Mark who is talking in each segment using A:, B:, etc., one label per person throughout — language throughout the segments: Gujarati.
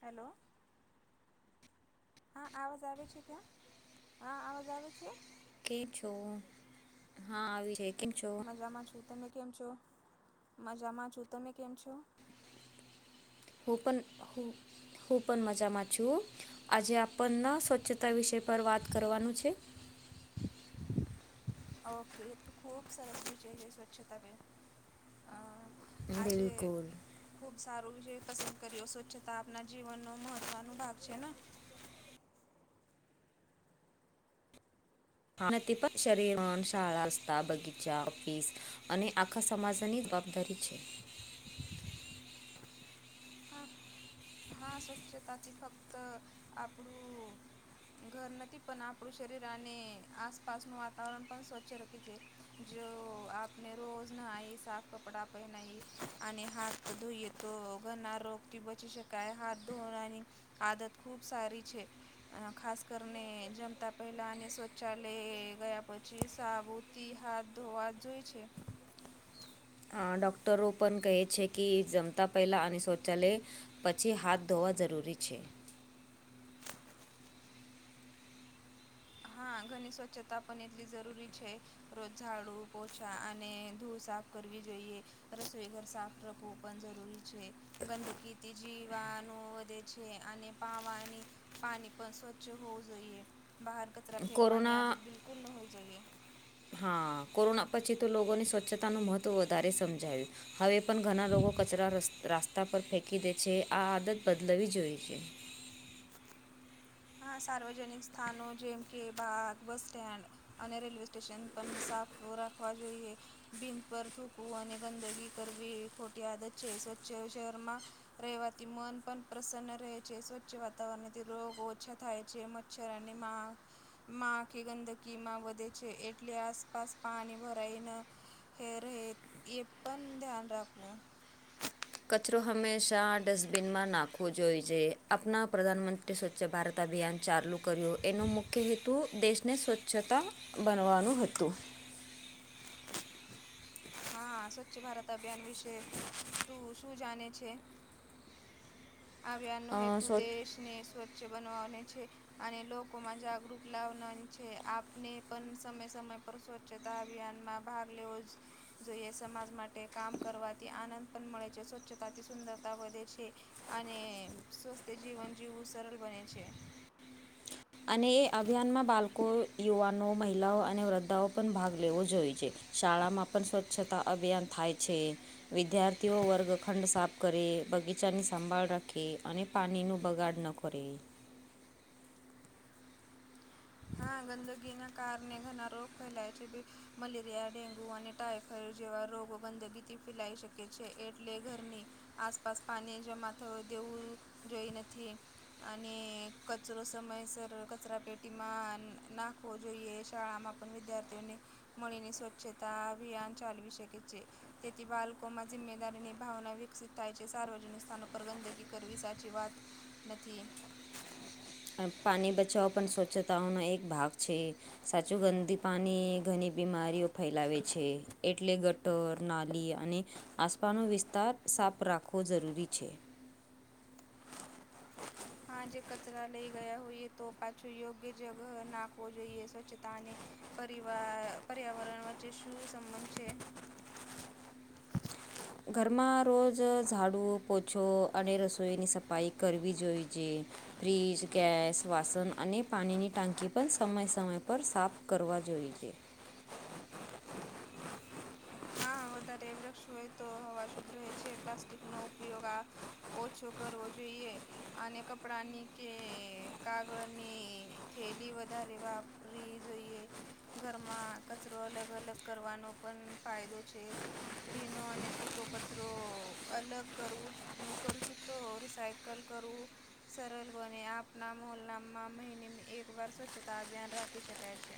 A: હલો હા આવાજ આવે છે ક્યા હા આવાજ આવે છે?
B: કેમ છો? હા આવી ર
A: મજામાં છું તમે કેમ છો મજામાં છું તમે કેમ છો?
B: હું પણ હું હું પણ મજામાં છું આજે આપણના સ્વચ્છતા વિષય પર વાત કરવાનું છે.
A: ઓકે એ ખૂબ સરસ છે સ્વચ્છતા બ આજે
B: બિલકુલ.
A: ખૂબ સારો વિષય પસંદ કર્યો સ્વચ્છતા આપના જીવનનો મહત્વનો ભાગ છે ને
B: [inaudible] શાળા, રસ્તા, બગીચા, ઓફિસ અને આખા સમાજની રી છે
A: હા હા સ્વચ્છતાથી ફક્ત આપણું ઘર નથી પણ આપણું શરીર અને આસપાસનું વાતાવરણ પણ સ્વચ્છ રહે છે. જો આપને રોજ નઈ સાફ કપડા પહેનાઈ અને હાથ ધોઈએ તો ઘરના રોગ થી બચી શકાય હાથ ધોવાની આદત ખુબ સારી છે. ખાસ કરીને જમતા પહેલાં અને શૌચાલય ગયા પછી સાબુ થી હાથ ધોવા જોઈ છે.
B: ડૉક્ટરો પણ કહે છે કે જમતાં પહેલાં અને શૌચાલય પછી હાથ ધોવા જરૂરી છે.
A: હા ઘરની સ્વચ્છતા પણ એટલી જરૂરી છે. રોજ ઝાડુ, પોછા અને ધૂળ સાફ કરવી જોઈએ. રસોઈઘર સાફ રાખવું પણ જરૂરી છે ગંદકીથી જીવાનો વધે છે અને [inaudible] પાણી પર સ્વચ્છ હોવું જોઈએ બહાર ક ચરો ફેંકવાની
B: કોરોના
A: આદત બિલકુલ ન હોવી જોઈએ.
B: હા, કોરોના પછી તો લોકોની સ્વચ્છતાનું મહત્ત્વ વધારે સમજાયું. હવે પણ ઘણાં લોકો કચરા રસ્ રાસ્તા પર ફેંકી દે છે આ આદત બદલવી જોઈશે.
A: હા સાર્વજનિક સ્થાનો જેમ કે બાગ, બસ સ્ટેન્ડ અને રેલવે સ્ટેશન પણ સાફ રાખવા જોઈએ. બિંદ પર થૂકવું અને ગંદગી કરવી ખોટી આદત છે સ્વચ્છ શહેરમાં રહેવાથી મન પણ પ્રસન્ન રહે છે સ્વચ્છ વાતાવરણથી રોગ ઓ છો થાય છે મચ્છર અને માખ માંખી એ ગંદકીમાં વધે છે એટલે આસપાસ પાણી ભરાઈને એ રહે એ પણ ધ્યાન રાખવું.
B: કચરો હંમેશા ડસ્ટબિનમાં નાખવો જોઈજે અપના પ્રધાનમંત્રી માટે સ્વચ્છ ભારત અભિયાન ચાલુ કર્યું એનો મુખ્ય હેતુ દેશને સ્વચ્છતા બનવાનું હતું.
A: હા, સ્વચ્છ ભારત અભિયાન વિશે તું શું જાણે છે? આ અભિયાનનો
B: અ,
A: હેતુ
B: સ્વ-
A: દેશને સ્વચ્છ બનાવાનો છે. અને લોકોમાં જાગૃત લાવનાની છે આપને પણ સમય સમય સ્વચ્છતા અભિયાનમાં ભાગ લેવો જ જોઈએ સમાજ માટે કામ કરવાથી આનંદ પણ મળે છે, સ્વચ્છતાથી સુંદરતા વધે છે. અને સ્વસ્થ્ય જીવન જીવવું સરળ બને છે.
B: અને એ અભિયાનમાં બાળકો, યુવાનો, મહિલાઓ અને વૃદ્ધાઓ પણ ભાગ લેવો જોઈએ છે. શાળામાં પણ સ્વચ્છતા અભિયાન થાય છે. વિદ્યાર્થીઓ વર્ગખંડ સાફ કરે બગીચાની સંભાળ રાખે અને પાણીનું બગાડ ન કરે.
A: હા ગંદગીના કારણે ઘણાં રોગ ફેલાય છે. મલેરિયા, ડેન્ગુ અને ટાઈફોઈડ જેવાં રોગો ગંદગીથી ફેલાઈ શકે છે એટલે ઘરની આસપાસ પાણી જમા થવા દેવું જોઈ નથી. અને કચરો સમયસર કચરાપેટી માં નાખવો જોઈએ શાળામાં પણ વિદ્યાર્થીઓને મળીને સ્વચ્છતા અભિયાન ચાલવી શકે છે. તેથી બાલકોમાં જિમ્મેદારીની ભાવના વિકસિત થાય છે સાર્વજનિક સ્થાનો પર ગંદકી કરવી સાચી વાત નથી.
B: પાણી બચાવો પણ સ્વચ્છતાઓનો એક ભાગ છે. સાચું ગંદી પાણી ઘણી બીમારીઓ ફેલાવે છે એટલે તઓ નાલી અને આસપાનો વિસ્તાર સાફ રાખવો જરૂરી છે.
A: હા જે કચરા લઈ ગયાં હોઈએ તો પાછું યોગ્ય જગહ નાખવો જોઈએ સ્વચ્છતાને પરિવાર પર્યાવરણ વચ્ચે શું સંબંધ છે?
B: ઘરમાં રોજ ઝાડું પોછો અને રસોઈની સફાઈ કરવી જોઈ જે. ફ્રીજ, ગેસ, વાસન અને પાણીની ટાંકી પણ સમય સમય પર સાફ કરવા જોઈ છે.
A: હા વધારે વૃક્ષ હોય તો હવા શુદ્ધ રહે છે પ્લાસ્ટિકનો ઉપયોગ આ ઓછો કરવો જોઈએ. અને કપડાની કે કાગળની થેલી વધારે વા ફ્રી રઈએ, ઘરમાં કચરો અલગ-અલગ કરવાનો પણ ફાયદો છે. ભીનો અને સૂકો કચરો અલગ કરવું કરશું તો રિસાય કલ કરવું સરલ બને આપના મોહલ્લામાં મહિનેમે એકવાર સ્વચ્છતા અભિયાન રાખી શકાય છે.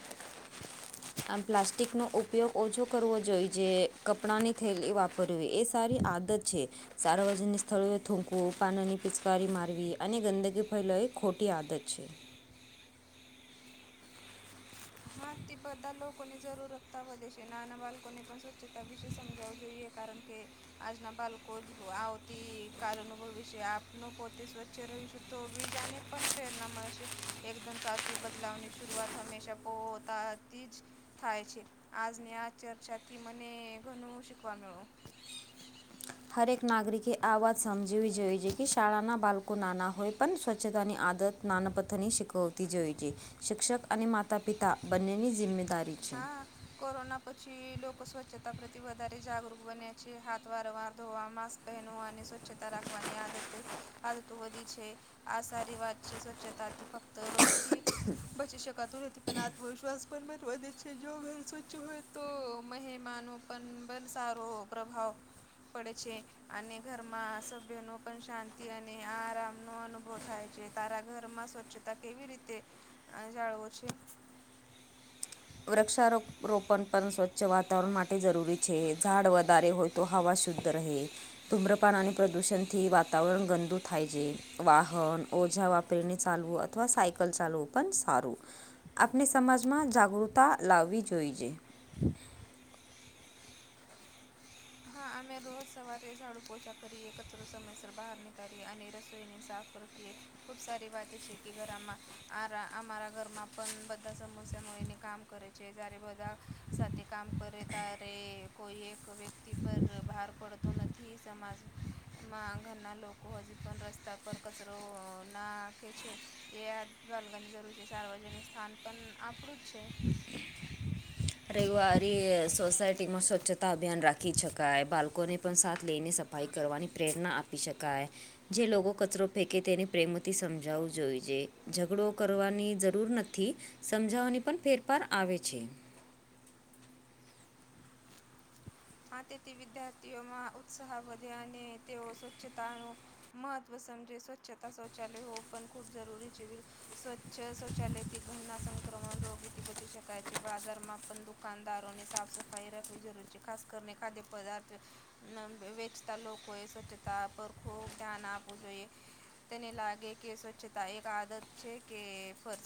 B: આમ પ્લાસ્ટિકનો ઉપયોગ ઓછો કરવો જોઈએ જે કપડાંની થેલી વાપરવી એ સારી આદત છે. સાર્વજનિક સ્થળોએ થૂકવું, પાનની પિચકારી મારવી અને ગંદકી ફેલોવી એ ખોટી આદત છે.
A: હા તે બધાં લોકોની જરૂરતતા વધે છે નાનાં બાળકોને પણ સ્વચ્છતા વિશે સમજાવું જોઈએ. કારન કે આજના બાળલો જ આવતી કાલ અનુભવી છે આપનો પોતે સ્વચ્છ રહીશ તો બીજાને પણ પ્રેરણા મળે છે એકદમ સાચું બદલાવની શરૂઆત હંમેશા પોતા થી જ થાય છે આજની આ ચર્ચાથી મને ઘનું શીખવા મળ્યું
B: હરેક નાગરિકે આ વાત સમજવી જોઈએ છે કે શાળાના બાળકો નાના હોય પણ સ્વચ્છતાની આદત નાનપથની શીખવતી જોઈ છે શિક્ષક અને માતા પિતા બંનેની જિમ્મેદારી છે
A: હા કોરોના પછી લોકો સ્વચ્છતા પ્રતિ વધારે જાગૃત બન્યા છે હાથ વારંવાર ધોવા માસ્ક પહેનવા ને સ્વચ્છતા રાખવાની આદત આદતો વધી છે આ સારી વાત છે સ્વચ્છતાથી ફક્ત રોગથી બચી શકાતું નથી પણ આત્મવિશ્વાસ પણ પછ વધે જો [unintelligible] સ્વચ્છ હોય તો મહેમાનો પણ બન સારો પ્રભાવ પડે છે અને ઘરમાં સભ્ય ન પણ શાંતિ અને આરામ નો અનુભવ થાય છે તારા ઘર માં ચ્છતા કેવી રીતે અ જાળવો છે
B: વૃક્ષારોપ રોપણ પણ સ્વચ્છ વાતાવરણ માટે જરૂરી છે ઝાડ વધારે હોય તો હવા શુદ્ધ રહે ધૂમ્રપાન અને પ્રદુષણ થી વાતાવરણ ગંદુ થાય છે વાહન ઓછા વા જેને ચાલવું અથવા સાયકલ ચાલવું પણ સારું આપણે સમાજમાં જાગૃત તા લાવવી જોઈએ
A: હા અમે રોજ સવારે ઝાડુ પોછા કરીએ કચરો સમયસર બહાર નીકળીએ અને રસોઈની સાફ [unintelligible] ખુબ સારી વાત છે કે ઘરમાં આરા અમારા ઘરમાં પણ બધા સમસ્યા એને કામ કરે છે જ્યારે બધા સાથે કામ કરે તારે કોઈ એક વ્યક્ તી પર બહાર પડતો નથી સમાજ મા ઘરના લોકો હજી પણ રસ્તા પર કચરો ના ખે છે એ આ દ્વાલગર ની જરૂર છે સાર્વજનિક સ્થાન પણ આપણું જ છે
B: [inaudible] રવિવારી સોસાયટી માં સ્વચ્છતા અભિયાન રાખી શકાય બાલકોને પણ સાથ લઈને સ સફાઈ કરવાની પ્રેરણા આપી શકાય જે લોકો કચરો ફેંકે તેને પ્રેમથી સમજાવવું જોઈએ ઝઘડો કરવાની જરૂર નથી સમજાવાની પણ ફેરફાર આવે છે
A: આ તેથી વિદ્યાર્થીઓમાં ઉત્સાહ વધ્યા અને તેઓ સ્વચ્છતાનું મહત્વ સમજે સ્વચ્છતા શૌચાલય હોવુ પણ ખૂબ જરૂરી છે સ્વચ્છ શૌચાલયથી ઘન્ના સંક્રમણ રોગથી બચી શકાય છે બાજારમાં પન દુઃ દુકાનદારો ને સાફ સફાઈ રાખવી જરૂરી છે ખાસ કરીને ખાદ્ય પદાર્થ [unintelligible] વેચતા લોકોએ સ્વચ્છતા પર ખૂબ ધ્યાન આપવું જોઈએ તેને લાગે કે સ્વચ્છતા એક આદત છે કે ફર્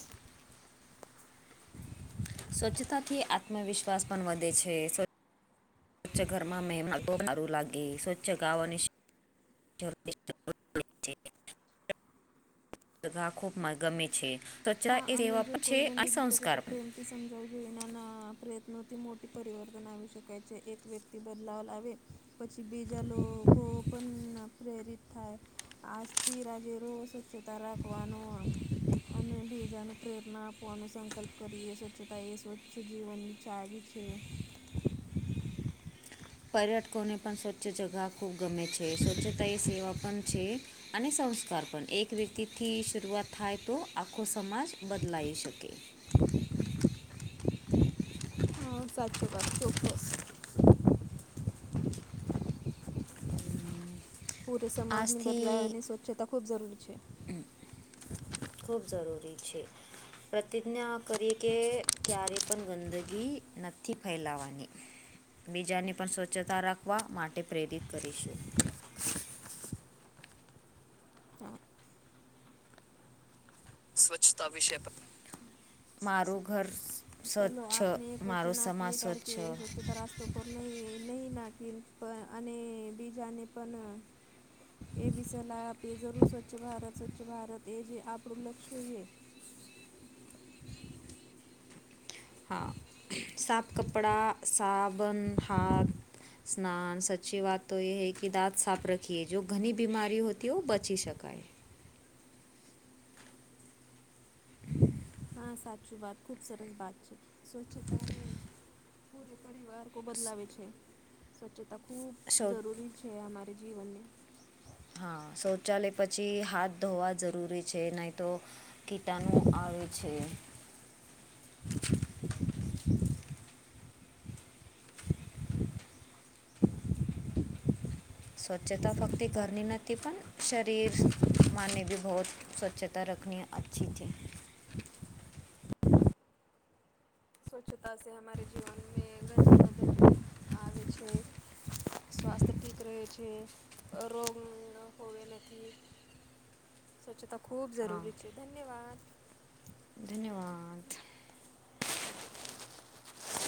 B: સ્વચ્છતાથી આત્મવિશ્વાસ પણ વધે છે સ્વચ્છ ઘરમાં મે [unintelligible] સારું લાગી સ્વચ્છ ગાવાની [unintelligible] ગા ખૂબ ગમે છે ત્ચરા એ સેવા પણ છે અને સંસ્કાર પણ
A: તે સમજાવુ જોઈને ના ના પ્રયત્નોથી મોટી પરિવર્તન આવી શકાય છે એક વ્યક્તિ બદલાવ લાવે પછી બીજા લો કો પન પ્રેરિત થાય આજથી રાજે રો સ્વચ્છતા રાખવાનો અને બીજા ને પ્રેરણા આપવાનો સંકલ્પ કરીએ સ્વચ્છતા એ સ્વચ્છ જીવનની ચાવી છે
B: પર્યટકોને પણ સ્વચ્છ જગા ખૂબ ગમે છે સ્વચ્છતા એ સેવા પન છે અને સંસ્કાર પણ એક રીતિથી શરૂઆત થાય તો આખો સમાજ બદલાઈ શકે [inaudible]
A: હા સાચો વાત ચોક્કસ
B: હ
A: પૂરે સમાજની બદલાય અને સ્વચ્છતા ખૂબ જરૂરી છે.
B: ખૂબ જરૂરી છે. પ્રતિજ્ઞા કરીએ કે ક્યારે પણ ગંદકી નઈ ફેલાવાની. બીજાને પણ સ્વચ્છતા રાખવા માટે પ્રેરિત કરીશ.
A: ચાર. સ્વચ્છતા વિષય પા
B: મારું ઘર સ
A: ચલો આપને એક વચન આપીએ કાર કે
B: સ્વચ્છ
A: સ્વચ્છતા રાસ્ તો પર નહીં નહીં નાખી પ અને બીજાને પન એવી સલાહ આપીએ જરૂર સ્વચ્છ ભારત સ્વચ્છ ભારત એ જ આપણું લક્ષ્ય હોઈએ.
B: હા સાફ કપડાં, સાબન, હાથ સ્નાન સચી વાત તો એ હે કે દાંત સાફ રખીએ, જો ઘની બીમારી હોતી હો બચી શકાય.
A: હા સાચું વાત ખૂબ સરસ વાત છે સ્વચ્છતાને પૂરે પરિવાર કો બદલાવે છે સ્વચ્છતા ખૂબ
B: શૌ
A: જરૂરી છે હમારે જીવન મેં.
B: હા શૌચાલય પછી હાથ ધોવા જરૂરી છે નઈ તો કીટાનુ આવે છે. સ્વચ્છતા ફક્તિ
A: સ્વચ્છતા
B: ઘરની ન તી પણ શરીર માનને ભી બહુત સ્વચ્છતા રખની અચ્છી છે.
A: સ્વચ્છતા સે હમારે જીવન મેં ઘણા બદલ આવે છે. સ્વાસ્થ્ય ઠીક રહે છે અ રોગ હોવે નથી. સ્વચ્છતા ખૂબ ઝરૂરી છે ધન્યવાદ.
B: ધન્યવાદ.